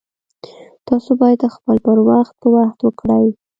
تاسو باید خپل پر وخت په وخت وکړئ